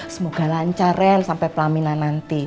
semoga lancar ren sampai pelaminan nanti